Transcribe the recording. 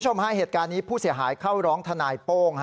เหตุการณ์นี้ผู้เสียหายเข้าร้องทนายโป้ง